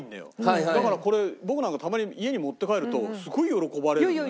だからこれ僕なんかたまに家に持って帰るとすごい喜ばれるのね。